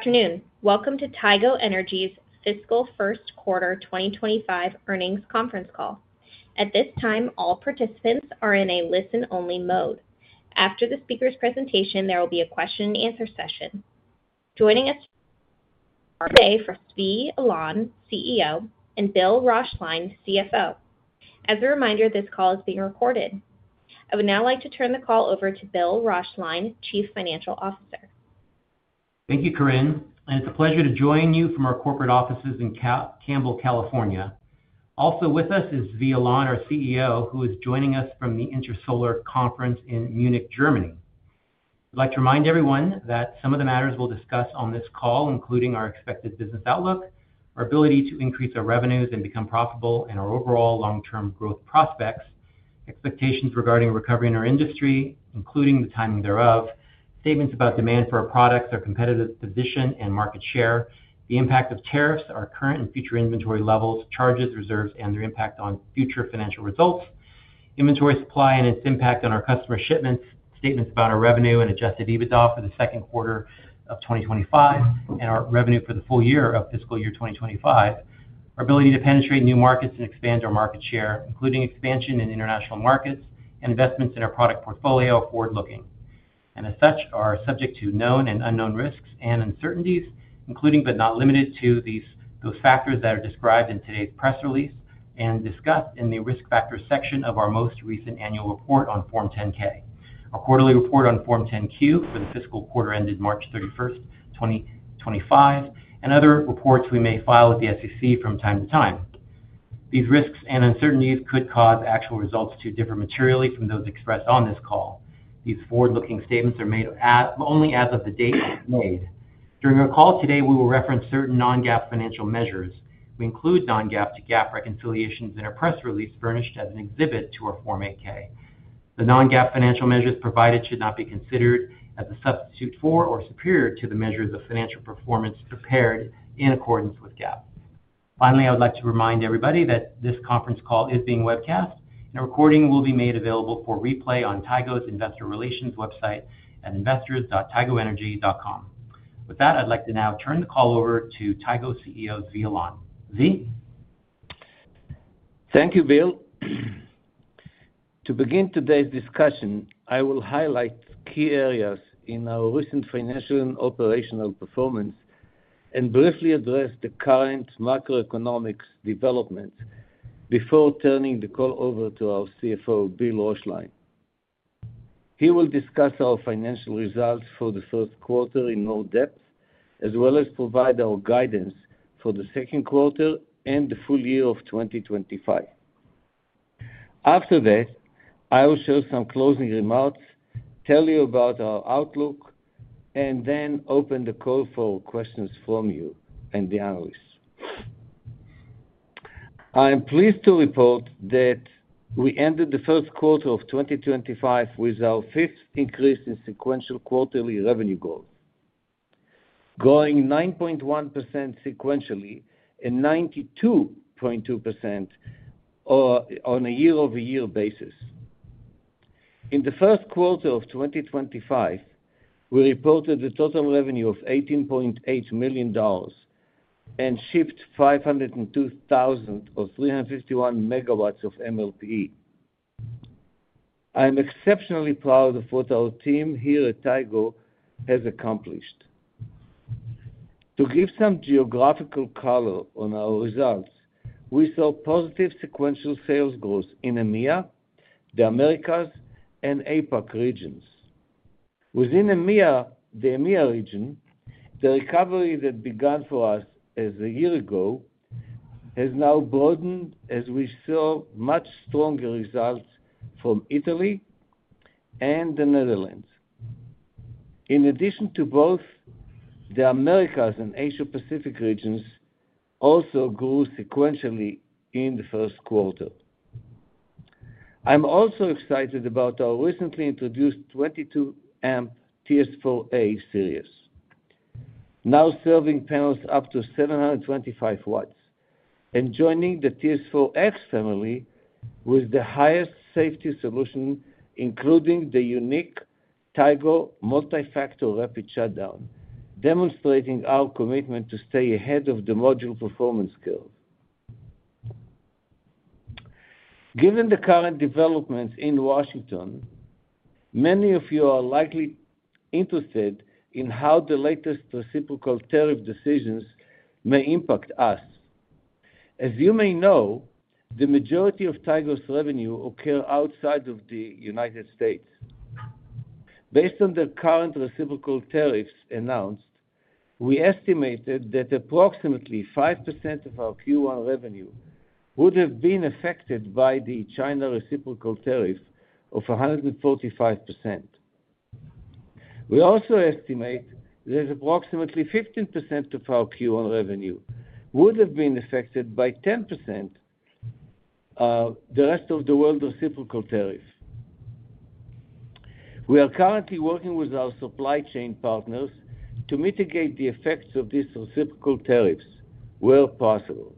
Afternoon. Welcome to Tigo Energy's Fiscal First Quarter 2025 earnings conference call. At this time, all participants are in a listen-only mode. After the speaker's presentation, there will be a question-and-answer session. Joining us today are Zvi Alon, CEO, and Bill Roeschlein, CFO. As a reminder, this call is being recorded. I would now like to turn the call over to Bill Roeschlein, Chief Financial Officer. Thank you, Corinne. It is a pleasure to join you from our corporate offices in Campbell, California. Also with us is Zvi Alon, our CEO, who is joining us from the Intersolar Conference in Munich, Germany. I'd like to remind everyone that some of the matters we'll discuss on this call, including our expected business outlook, our ability to increase our revenues and become profitable, and our overall long-term growth prospects, expectations regarding recovery in our industry, including the timing thereof, statements about demand for our products, our competitive position and market share, the impact of tariffs, our current and future inventory levels, charges, reserves, and their impact on future financial results, inventory supply and its impact on our customer shipments, statements about our revenue and adjusted EBITDA for the second quarter of 2025, and our revenue for the full year of fiscal year 2025, our ability to penetrate new markets and expand our market share, including expansion in international markets and investments in our product portfolio, forward-looking. As such, are subject to known and unknown risks and uncertainties, including but not limited to those factors that are described in today's press release and discussed in the risk factor section of our most recent annual report on Form 10-K, our quarterly report on Form 10-Q for the fiscal quarter ended March 31, 2025, and other reports we may file with the SEC from time to time. These risks and uncertainties could cause actual results to differ materially from those expressed on this call. These forward-looking statements are made only as of the date they're made. During our call today, we will reference certain non-GAAP financial measures. We include non-GAAP to GAAP reconciliations in our press release furnished as an exhibit to our Form 8-K. The non-GAAP financial measures provided should not be considered as a substitute for or superior to the measures of financial performance prepared in accordance with GAAP. Finally, I would like to remind everybody that this conference call is being webcast, and a recording will be made available for replay on Tigo's Investor Relations website at investors.tigoenergy.com. With that, I'd like to now turn the call over to Tigo CEO Zvi Alon. Zvi? Thank you, Bill. To begin today's discussion, I will highlight key areas in our recent financial and operational performance and briefly address the current macroeconomic developments before turning the call over to our CFO, Bill Roeschlein. He will discuss our financial results for the first quarter in more depth, as well as provide our guidance for the second quarter and the full year of 2025. After that, I will share some closing remarks, tell you about our outlook, and then open the call for questions from you and the analysts. I'm pleased to report that we ended the first quarter of 2025 with our fifth increase in sequential quarterly revenue goals, growing 9.1% sequentially and 92.2% on a year-over-year basis. In the first quarter of 2025, we reported a total revenue of $18.8 million and shipped 502,000 or 351 megawatts of MLPE. I'm exceptionally proud of what our team here at Tigo has accomplished. To give some geographical color on our results, we saw positive sequential sales growth in EMEA, the Americas, and APAC regions. Within EMEA, the recovery that began for us a year ago has now broadened as we saw much stronger results from Italy and the Netherlands. In addition to both, the Americas and Asia-Pacific regions also grew sequentially in the first quarter. I'm also excited about our recently introduced 22 amp TS4A series, now serving panels up to 725 watts, and joining the TS4X family with the highest safety solution, including the unique Tigo Multi-Factor Rapid Shutdown, demonstrating our commitment to stay ahead of the module performance curve. Given the current developments in Washington, many of you are likely interested in how the latest reciprocal tariff decisions may impact us. As you may know, the majority of Tigo's revenue occurs outside of the United States. Based on the current reciprocal tariffs announced, we estimated that approximately 5% of our Q1 revenue would have been affected by the China reciprocal tariff of 145%. We also estimate that approximately 15% of our Q1 revenue would have been affected by 10% of the rest of the world's reciprocal tariff. We are currently working with our supply chain partners to mitigate the effects of these reciprocal tariffs where possible.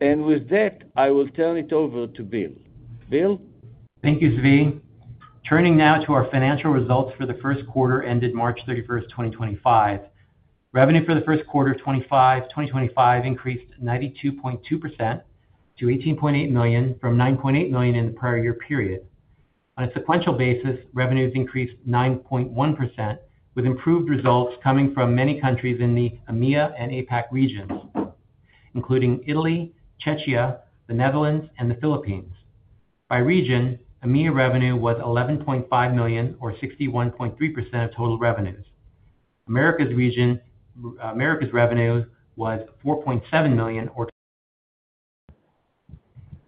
With that, I will turn it over to Bill. Bill? Thank you, Zvi. Turning now to our financial results for the first quarter ended March 31, 2025. Revenue for the first quarter of 2025 increased 92.2% to $18.8 million from $9.8 million in the prior year period. On a sequential basis, revenues increased 9.1%, with improved results coming from many countries in the EMEA and APAC regions, including Italy, Czechia, the Netherlands, and the Philippines. By region, EMEA revenue was $11.5 million, or 61.3% of total revenues. Americas revenue was $4.7 million,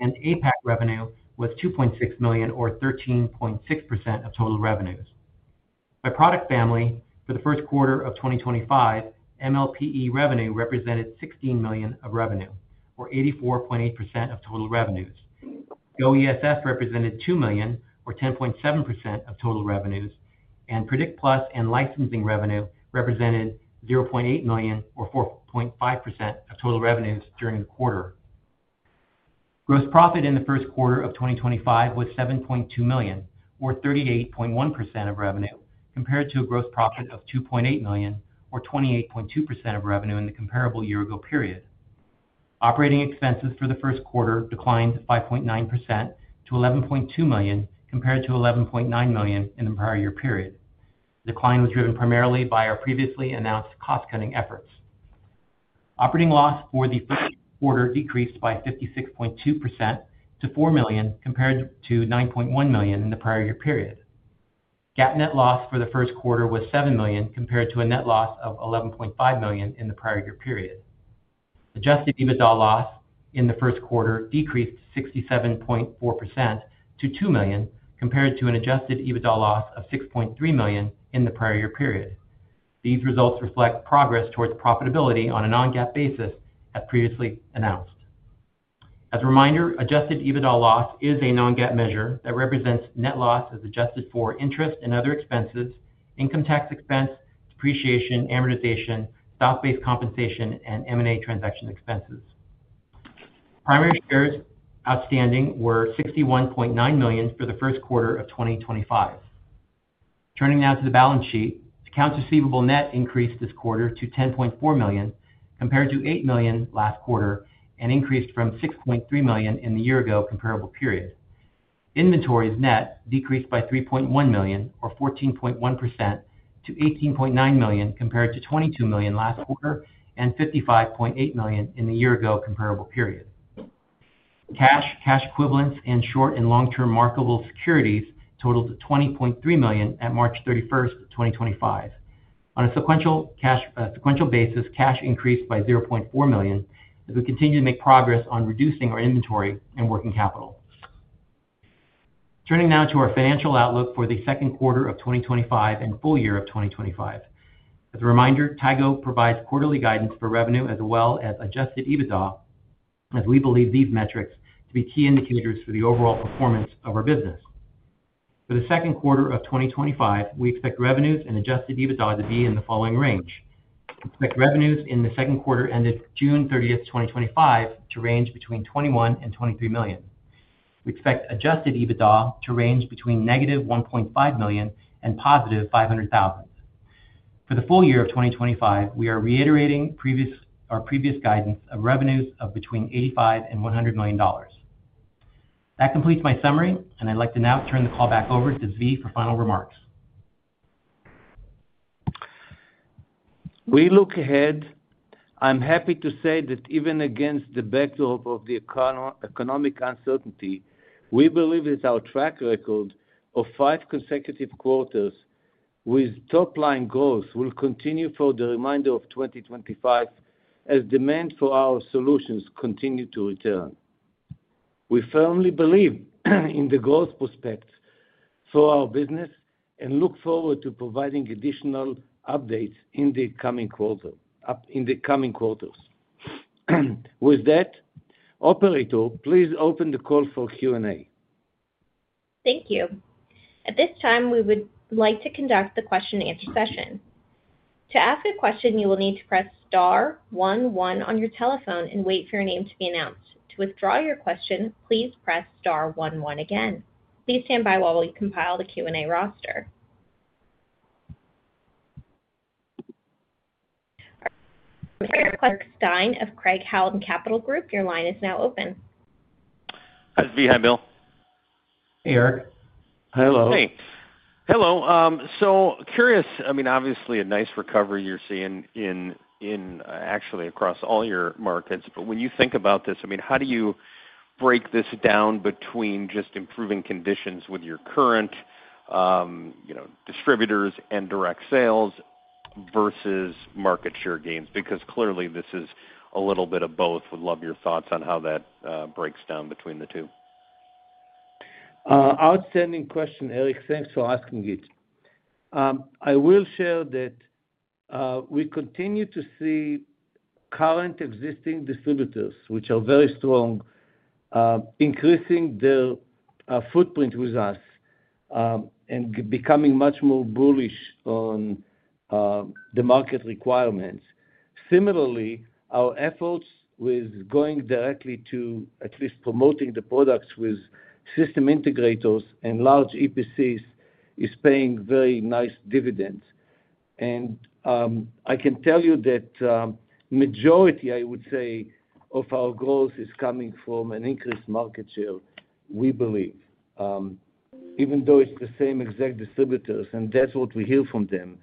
and APAC revenue was $2.6 million, or 13.6% of total revenues. By product family, for the first quarter of 2025, MLPE revenue represented $16 million of revenue, or 84.8% of total revenues. OESF represented $2 million, or 10.7% of total revenues, and PredictPlus and licensing revenue represented $0.8 million, or 4.5% of total revenues during the quarter. Gross profit in the first quarter of 2025 was $7.2 million, or 38.1% of revenue, compared to a gross profit of $2.8 million, or 28.2% of revenue in the comparable year-ago period. Operating expenses for the first quarter declined 5.9% to $11.2 million, compared to $11.9 million in the prior year period. The decline was driven primarily by our previously announced cost-cutting efforts. Operating loss for the first quarter decreased by 56.2% to $4 million, compared to $9.1 million in the prior year period. GAAP net loss for the first quarter was $7 million, compared to a net loss of $11.5 million in the prior year period. Adjusted EBITDA loss in the first quarter decreased 67.4% to $2 million, compared to an adjusted EBITDA loss of $6.3 million in the prior year period. These results reflect progress towards profitability on a non-GAAP basis, as previously announced. As a reminder, adjusted EBITDA loss is a non-GAAP measure that represents net loss as adjusted for interest and other expenses, income tax expense, depreciation, amortization, stock-based compensation, and M&A transaction expenses. Primary shares outstanding were $61.9 million for the first quarter of 2025. Turning now to the balance sheet, accounts receivable net increased this quarter to $10.4 million, compared to $8 million last quarter, and increased from $6.3 million in the year-ago comparable period. Inventories net decreased by $3.1 million, or 14.1%, to $18.9 million, compared to $22 million last quarter and $55.8 million in the year-ago comparable period. Cash, cash equivalents, and short and long-term marketable securities totaled $20.3 million at March 31st, 2025. On a sequential basis, cash increased by $0.4 million as we continue to make progress on reducing our inventory and working capital. Turning now to our financial outlook for the second quarter of 2025 and full year of 2025. As a reminder, Tigo provides quarterly guidance for revenue as well as adjusted EBITDA, as we believe these metrics to be key indicators for the overall performance of our business. For the second quarter of 2025, we expect revenues and adjusted EBITDA to be in the following range. We expect revenues in the second quarter ended June 30, 2025, to range between $21 million and $23 million. We expect adjusted EBITDA to range between negative $1.5 million and positive $500,000. For the full year of 2025, we are reiterating our previous guidance of revenues of between $85 million and $100 million. That completes my summary, and I'd like to now turn the call back over to Zvi for final remarks. We look ahead. I'm happy to say that even against the backdrop of the economic uncertainty, we believe that our track record of five consecutive quarters with top-line growth will continue for the remainder of 2025 as demand for our solutions continues to return. We firmly believe in the growth prospects for our business and look forward to providing additional updates in the coming quarters. With that, operator, please open the call for Q&A. Thank you. At this time, we would like to conduct the question-and-answer session. To ask a question, you will need to press star one one on your telephone and wait for your name to be announced. To withdraw your question, please press star one one again. Please stand by while we compile the Q&A roster. Eric Stein of Craig-Hallum Capital Group, your line is now open. Hi, Zvi. Hi, Bill. Hey, Eric. Hello. Hey. Hello. So curious, I mean, obviously a nice recovery you're seeing in actually across all your markets, but when you think about this, I mean, how do you break this down between just improving conditions with your current distributors and direct sales versus market share gains? Because clearly this is a little bit of both. Would love your thoughts on how that breaks down between the two. Outstanding question, Eric. Thanks for asking it. I will share that we continue to see current existing distributors, which are very strong, increasing their footprint with us and becoming much more bullish on the market requirements. Similarly, our efforts with going directly to at least promoting the products with system integrators and large EPCs is paying very nice dividends. I can tell you that the majority, I would say, of our growth is coming from an increased market share, we believe, even though it's the same exact distributors, and that's what we hear from them.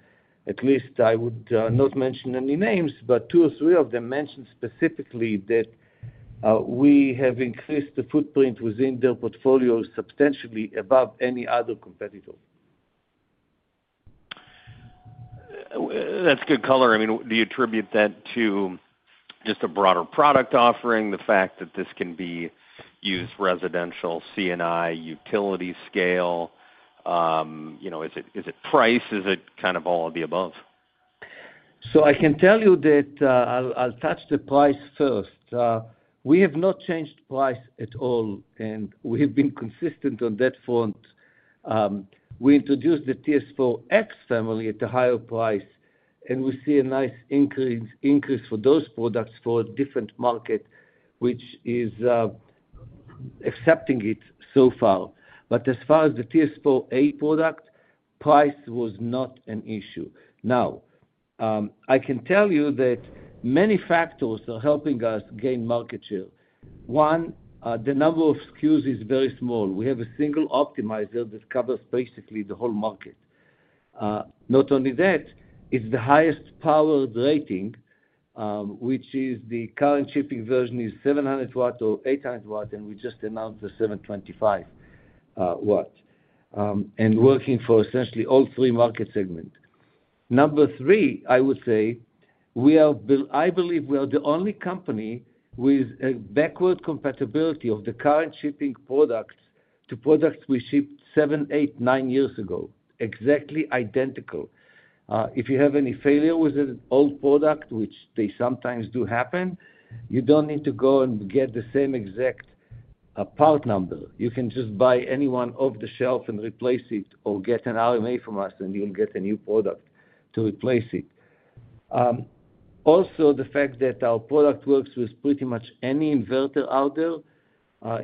At least I would not mention any names, but two or three of them mentioned specifically that we have increased the footprint within their portfolio substantially above any other competitor. That's good color. I mean, do you attribute that to just a broader product offering, the fact that this can be used residential, C&I, utility scale? Is it price? Is it kind of all of the above? I can tell you that I'll touch the price first. We have not changed price at all, and we have been consistent on that front. We introduced the TS4X family at a higher price, and we see a nice increase for those products for a different market, which is accepting it so far. As far as the TS4A product, price was not an issue. Now, I can tell you that many factors are helping us gain market share. One, the number of SKUs is very small. We have a single optimizer that covers basically the whole market. Not only that, it's the highest powered rating, which is the current shipping version is 700 watt or 800 watt, and we just announced the 725 watt. Working for essentially all three market segments. Number three, I would say, I believe we are the only company with a backward compatibility of the current shipping products to products we shipped seven, eight, nine years ago, exactly identical. If you have any failure with an old product, which they sometimes do happen, you do not need to go and get the same exact part number. You can just buy any one off the shelf and replace it or get an RMA from us, and you will get a new product to replace it. Also, the fact that our product works with pretty much any inverter out there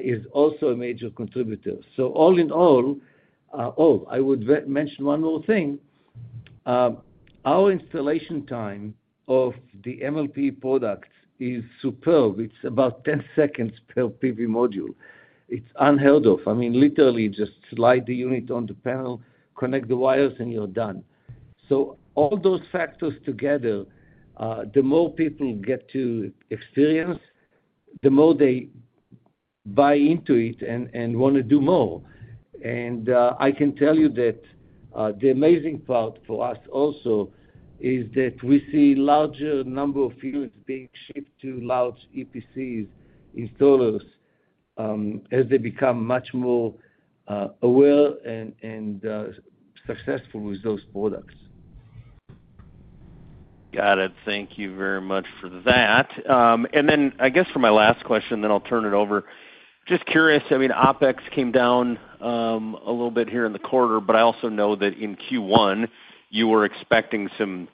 is also a major contributor. All in all, oh, I would mention one more thing. Our installation time of the MLPE product is superb. It is about 10 seconds per PV module. It is unheard of. I mean, literally just slide the unit on the panel, connect the wires, and you are done. All those factors together, the more people get to experience, the more they buy into it and want to do more. I can tell you that the amazing part for us also is that we see a larger number of units being shipped to large EPC installers as they become much more aware and successful with those products. Got it. Thank you very much for that. I guess for my last question, then I'll turn it over. Just curious, I mean, OpEx came down a little bit here in the quarter, but I also know that in Q1, you were expecting some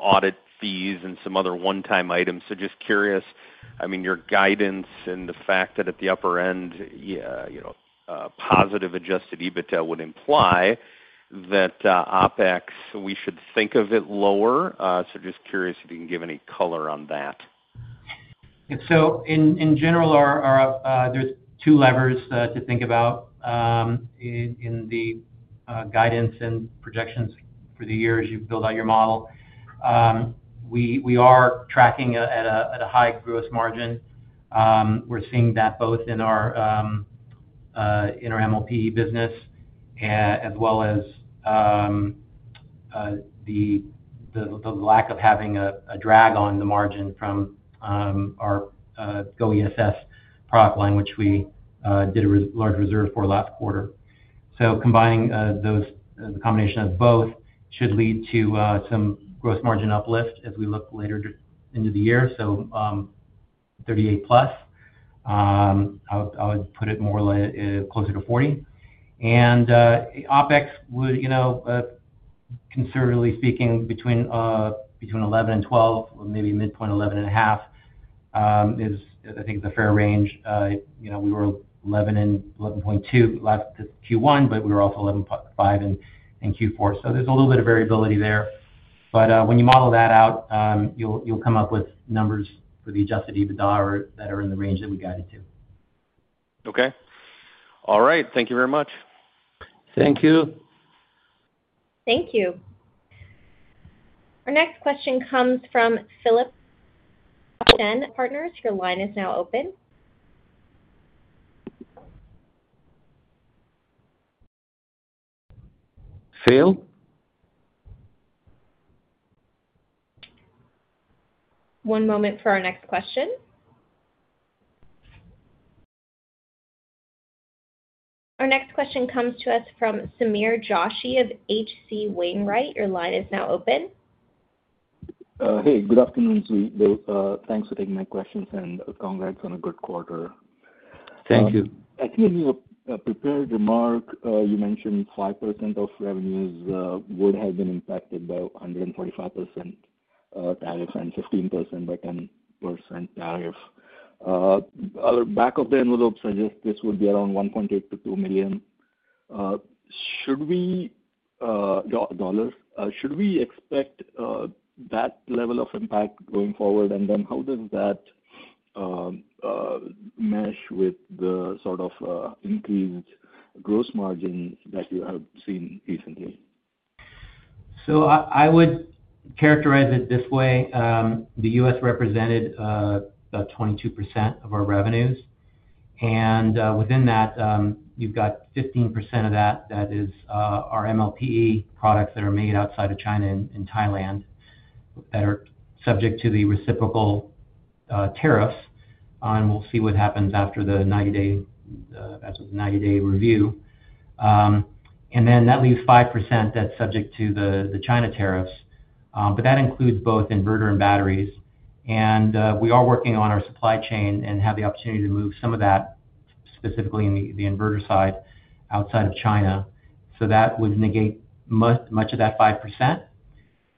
audit fees and some other one-time items. Just curious, I mean, your guidance and the fact that at the upper end, positive adjusted EBITDA would imply that OpEx, we should think of it lower. Just curious if you can give any color on that. In general, there are two levers to think about in the guidance and projections for the years you build out your model. We are tracking at a high gross margin. We are seeing that both in our MLPE business as well as the lack of having a drag on the margin from our OESF product line, which we did a large reserve for last quarter. Combining the combination of both should lead to some gross margin uplift as we look later into the year. 38% plus. I would put it more closer to 40%. OpEx, considerably speaking, between 11% and 12%, maybe midpoint 11.5%, I think is a fair range. We were 11% and 11.2% last Q1, but we were also 11.5% in Q4. There is a little bit of variability there. When you model that out, you'll come up with numbers for the adjusted EBITDA that are in the range that we guided to. Okay. All right. Thank you very much. Thank you. Thank you. Our next question comes from Philip Shen, ROTH Capital Partners. Your line is now open. Phil. One moment for our next question. Our next question comes to us from Sameer Joshi of H.C. Wainwright. Your line is now open. Hey, good afternoon, Zvi. Thanks for taking my questions and congrats on a good quarter. Thank you. I think in your prepared remark, you mentioned 5% of revenues would have been impacted by 145% tariff and 15% by 10% tariff. Back of the envelope suggests this would be around $1.8 million to $2 million. Should we expect that level of impact going forward? And then how does that mesh with the sort of increased gross margin that you have seen recently? I would characterize it this way. The U.S. represented about 22% of our revenues. Within that, you've got 15% of that that is our MLPE products that are made outside of China and Thailand that are subject to the reciprocal tariffs. We'll see what happens after the 90-day review. That leaves 5% that's subject to the China tariffs. That includes both inverter and batteries. We are working on our supply chain and have the opportunity to move some of that, specifically on the inverter side, outside of China. That would negate much of that 5%.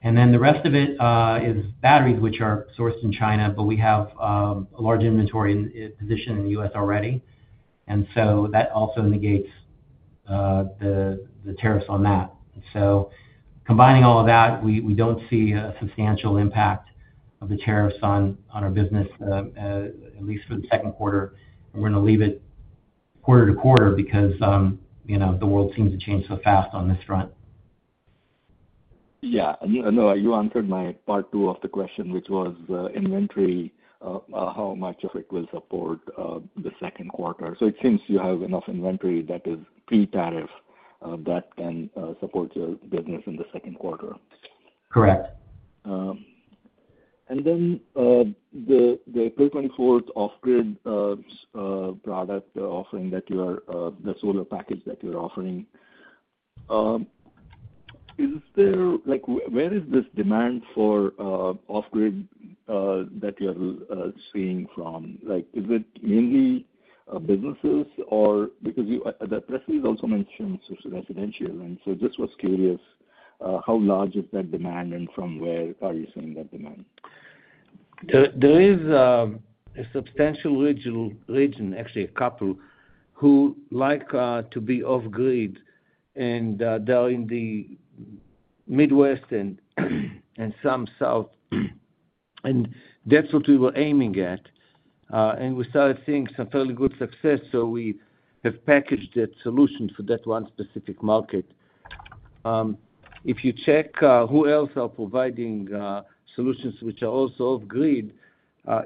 The rest of it is batteries, which are sourced in China, but we have a large inventory position in the U.S. already. That also negates the tariffs on that. Combining all of that, we don't see a substantial impact of the tariffs on our business, at least for the second quarter. We're going to leave it quarter-to-quarter because the world seems to change so fast on this front. Yeah. No, you answered my part two of the question, which was inventory, how much of it will support the second quarter. So it seems you have enough inventory that is pre-tariff that can support your business in the second quarter. Correct. The April 24th off-grid product offering that you are, the solar package that you're offering, where is this demand for off-grid that you're seeing from? Is it mainly businesses or because the press has also mentioned residential? I was curious, how large is that demand and from where are you seeing that demand? There is a substantial region, actually a couple, who like to be off-grid, and they're in the Midwest and some South. That is what we were aiming at. We started seeing some fairly good success, so we have packaged that solution for that one specific market. If you check who else are providing solutions which are also off-grid,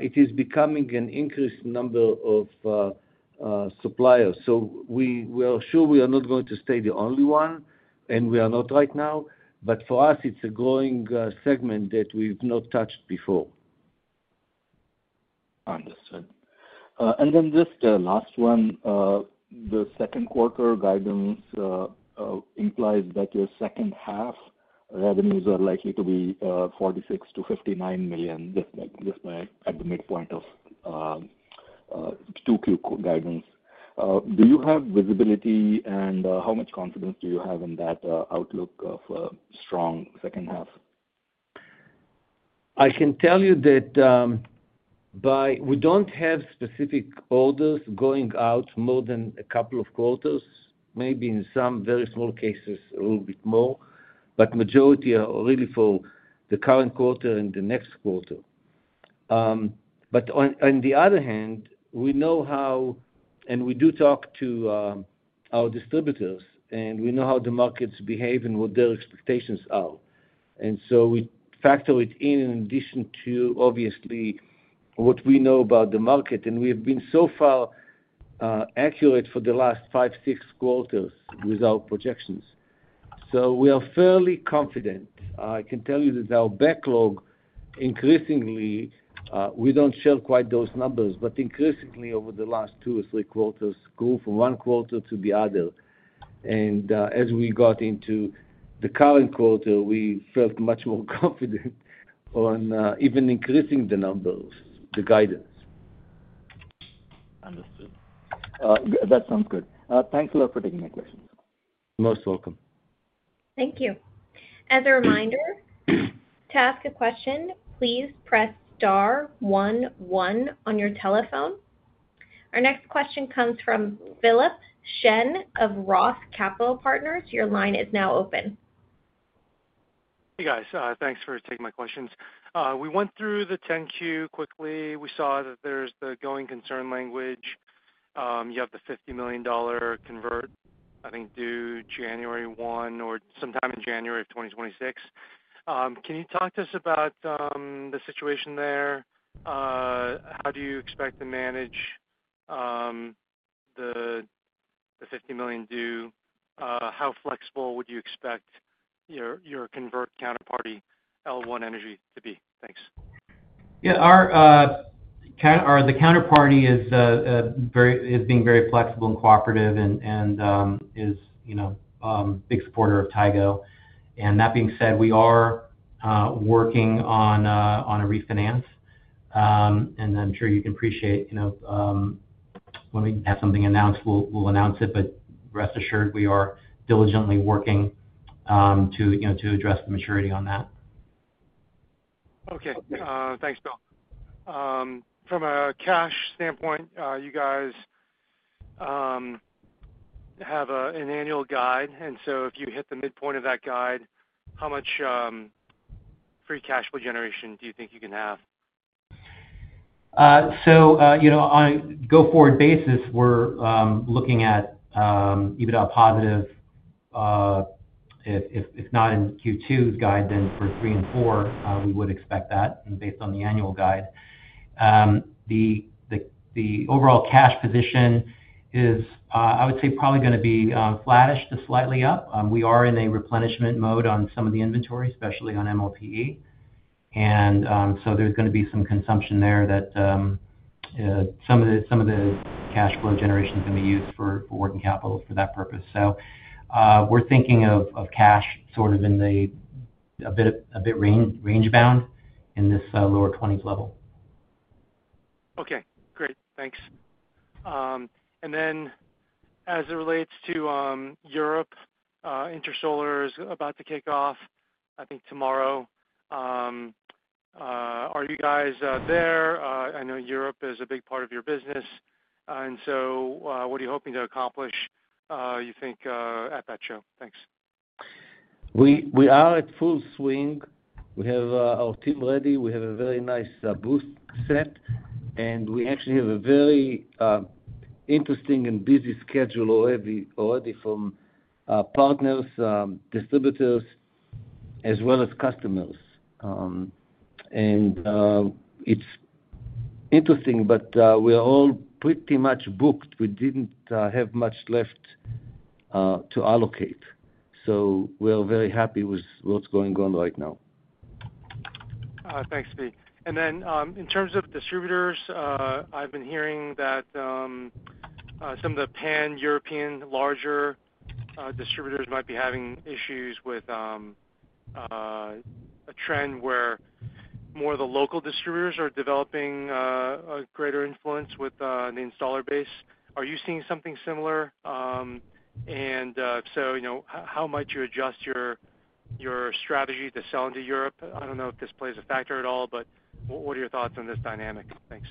it is becoming an increased number of suppliers. We are sure we are not going to stay the only one, and we are not right now. For us, it's a growing segment that we've not touched before. Understood. And then just the last one, the second quarter guidance implies that your second half revenues are likely to be $46 million-$59 million just by at the midpoint of Q2 guidance. Do you have visibility and how much confidence do you have in that outlook for strong second half? I can tell you that we don't have specific orders going out more than a couple of quarters, maybe in some very small cases, a little bit more, but majority are really for the current quarter and the next quarter. On the other hand, we know how, and we do talk to our distributors, and we know how the markets behave and what their expectations are. We factor it in in addition to, obviously, what we know about the market. We have been so far accurate for the last five, six quarters with our projections. We are fairly confident. I can tell you that our backlog, increasingly, we don't share quite those numbers, but increasingly over the last two or three quarters grew from one quarter to the other. As we got into the current quarter, we felt much more confident on even increasing the numbers, the guidance. Understood. That sounds good. Thanks a lot for taking my questions. Most welcome. Thank you. As a reminder, to ask a question, please press star one one on your telephone. Our next question comes from Philip Shen of ROTH Capital Partners. Your line is now open. Hey, guys. Thanks for taking my questions. We went through the 10Q quickly. We saw that there's the going concern language. You have the $50 million convert, I think, due January 1 or sometime in January of 2026. Can you talk to us about the situation there? How do you expect to manage the $50 million due? How flexible would you expect your convert counterparty, L1 Energy, to be? Thanks. Yeah. The counterparty is being very flexible and cooperative and is a big supporter of Tigo. That being said, we are working on a refinance. I'm sure you can appreciate when we have something announced, we'll announce it. Rest assured, we are diligently working to address the maturity on that. Okay. Thanks, Bill. From a cash standpoint, you guys have an annual guide. If you hit the midpoint of that guide, how much free cash flow generation do you think you can have? On a go-forward basis, we're looking at EBITDA positive. If not in Q2's guide, then for three and four, we would expect that based on the annual guide. The overall cash position is, I would say, probably going to be flattish to slightly up. We are in a replenishment mode on some of the inventory, especially on MLPE. There's going to be some consumption there that some of the cash flow generation is going to be used for working capital for that purpose. We're thinking of cash sort of in a bit range-bound in this lower $20 million level. Okay. Great. Thanks. As it relates to Europe, Intersolar is about to kick off, I think, tomorrow. Are you guys there? I know Europe is a big part of your business. What are you hoping to accomplish, you think, at that show? Thanks. We are at full swing. We have our team ready. We have a very nice booth set. We actually have a very interesting and busy schedule already from partners, distributors, as well as customers. It is interesting, but we are all pretty much booked. We did not have much left to allocate. We are very happy with what is going on right now. Thanks, Zvi. In terms of distributors, I've been hearing that some of the pan-European larger distributors might be having issues with a trend where more of the local distributors are developing a greater influence with the installer base. Are you seeing something similar? How might you adjust your strategy to sell into Europe? I do not know if this plays a factor at all, but what are your thoughts on this dynamic? Thanks.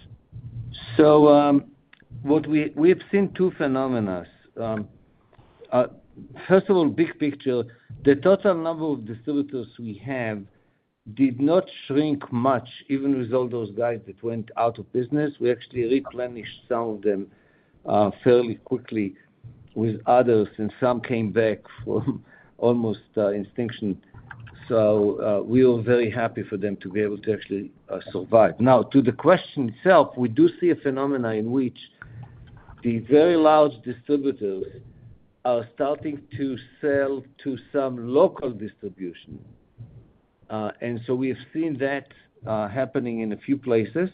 We have seen two phenomena. First of all, big picture, the total number of distributors we have did not shrink much, even with all those guys that went out of business. We actually replenished some of them fairly quickly with others, and some came back from almost extinction. We were very happy for them to be able to actually survive. Now, to the question itself, we do see a phenomenon in which the very large distributors are starting to sell to some local distribution. We have seen that happening in a few places.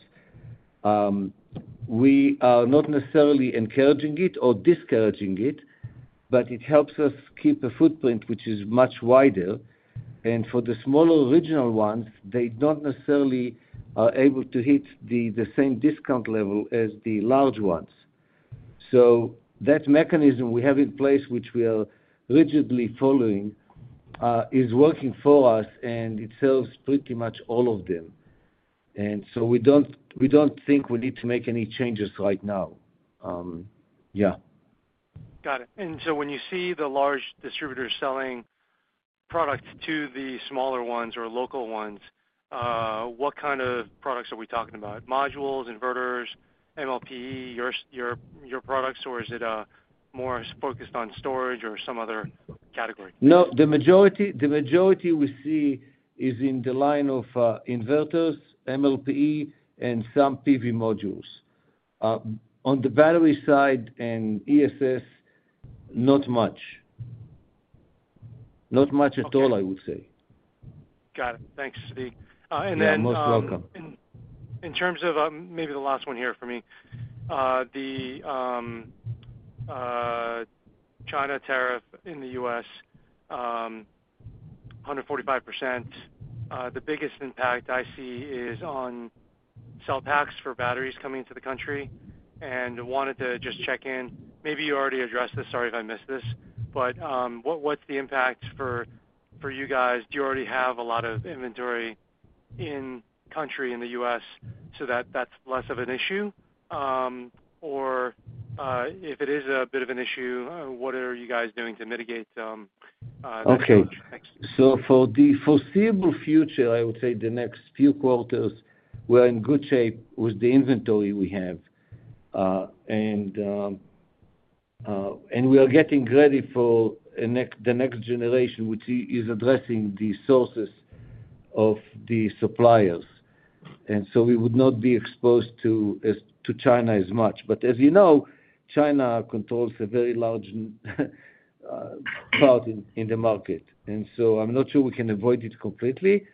We are not necessarily encouraging it or discouraging it, but it helps us keep a footprint which is much wider. For the smaller regional ones, they do not necessarily are able to hit the same discount level as the large ones. That mechanism we have in place, which we are rigidly following, is working for us and it serves pretty much all of them. We do not think we need to make any changes right now. Yeah. Got it. When you see the large distributors selling products to the smaller ones or local ones, what kind of products are we talking about? Modules, inverters, MLPE, your products, or is it more focused on storage or some other category? No, the majority we see is in the line of inverters, MLPE, and some PV modules. On the battery side and ESS, not much. Not much at all, I would say. Got it. Thanks, Zvi. And then. You're most welcome. In terms of maybe the last one here for me, the China tariff in the U.S., 145%, the biggest impact I see is on cell packs for batteries coming into the country. I wanted to just check in. Maybe you already addressed this. Sorry if I missed this. What's the impact for you guys? Do you already have a lot of inventory in country in the U.S. so that that's less of an issue? If it is a bit of an issue, what are you guys doing to mitigate? Okay. For the foreseeable future, I would say the next few quarters, we are in good shape with the inventory we have. We are getting ready for the next generation, which is addressing the sources of the suppliers. We would not be exposed to China as much. As you know, China controls a very large part in the market. I am not sure we can avoid it completely,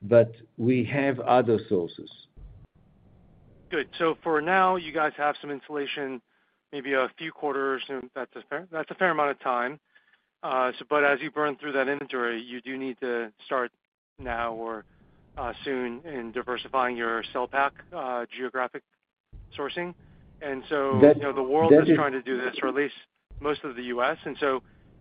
but we have other sources. Good. For now, you guys have some insulation, maybe a few quarters. That is a fair amount of time. As you burn through that inventory, you do need to start now or soon in diversifying your cell pack geographic sourcing. The world is trying to do this, or at least most of the U.S.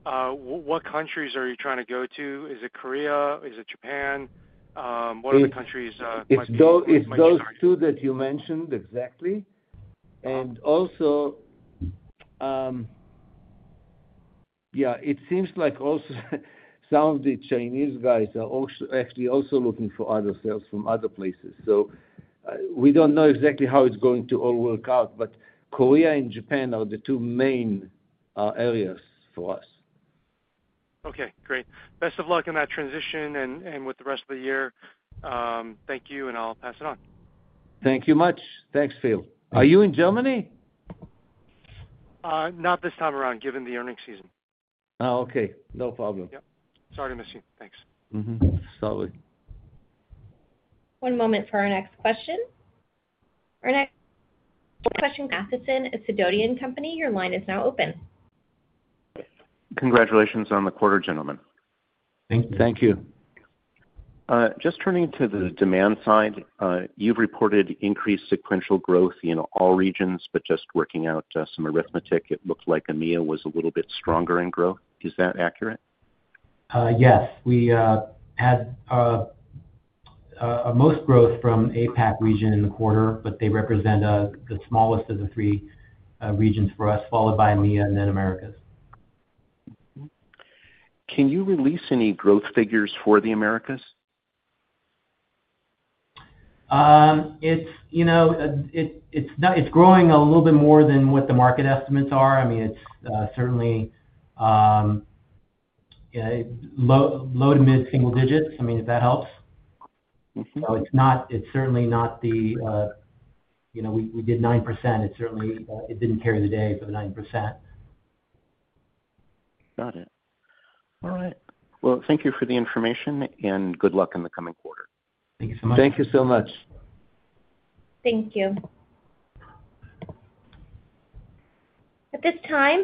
What countries are you trying to go to? Is it Korea? Is it Japan? What are the countries? It's those two that you mentioned exactly. Also, yeah, it seems like some of the Chinese guys are actually also looking for other sales from other places. We do not know exactly how it's going to all work out, but Korea and Japan are the two main areas for us. Okay. Great. Best of luck in that transition and with the rest of the year. Thank you, and I'll pass it on. Thank you much. Thanks, Phil. Are you in Germany? Not this time around, given the earning season. Oh, okay. No problem. Yep. Sorry to miss you. Thanks. Sorry. One moment for our next question. Our next question is Mathison of Sidoti & Company. Your line is now open. Congratulations on the quarter, gentlemen. Thank you. Just turning to the demand side, you've reported increased sequential growth in all regions, but just working out some arithmetic, it looked like EMEA was a little bit stronger in growth. Is that accurate? Yes. We had most growth from APAC region in the quarter, but they represent the smallest of the three regions for us, followed by EMEA and then Americas. Can you release any growth figures for the Americas? It's growing a little bit more than what the market estimates are. I mean, it's certainly low to mid single digits. I mean, if that helps. It's certainly not that we did 9%. It certainly didn't carry the day for the 9%. Got it. All right. Thank you for the information and good luck in the coming quarter. Thank you so much. Thank you so much. Thank you. At this time,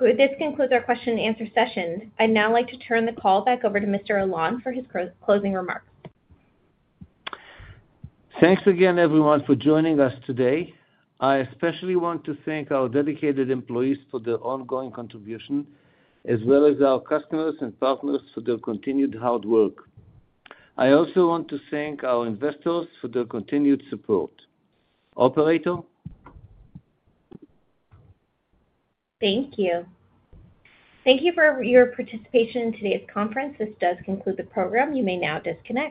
this concludes our question-and-answer session. I'd now like to turn the call back over to Mr. Alon for his closing remarks. Thanks again, everyone, for joining us today. I especially want to thank our dedicated employees for their ongoing contribution, as well as our customers and partners for their continued hard work. I also want to thank our investors for their continued support. Operator. Thank you. Thank you for your participation in today's conference. This does conclude the program. You may now disconnect.